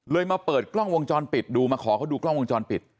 มาเปิดกล้องวงจรปิดดูมาขอเขาดูกล้องวงจรปิด